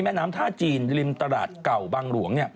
แม่น้ำท่าจีนริมตลาดเก่าบางหลวง